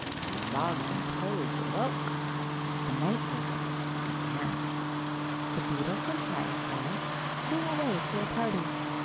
The frogs and toads awoke. The night music began. The beetles and fireflies flew away to a party.